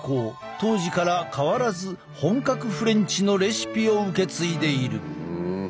当時から変わらず本格フレンチのレシピを受け継いでいる。